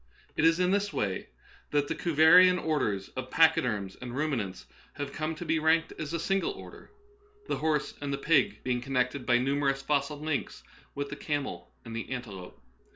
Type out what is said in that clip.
It is in this way that the Cuvierian orders of pachyderms and rumi nants have come to be ranked as a single order, Darwinism Verified. 29 the horse and pig being connected by numerous fossil links with the camel and antelope.